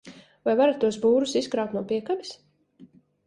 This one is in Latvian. Vai varat tos būrus izkraut no piekabes?